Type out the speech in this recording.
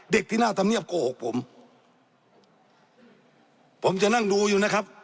เด็กที่น่าทำเนียบโกหกผมผมจะนั่งดูอยู่นะครับ